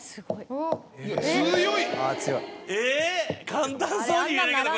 簡単そうに見えるけどこれ。